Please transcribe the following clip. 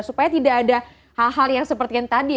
supaya tidak ada hal hal yang seperti yang tadi